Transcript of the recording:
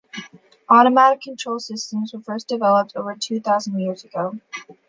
Automatic control systems were first developed over two thousand years ago.